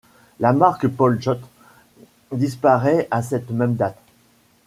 La marque Poljot disparaît à cette même date.